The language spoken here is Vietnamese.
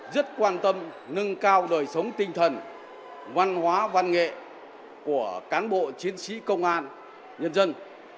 rất quan tâm nâng cao đời sống tinh thần văn hóa văn nghệ của cán bộ chiến sĩ công an nhân dân